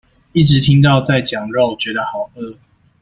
一直聽到在講肉覺得好餓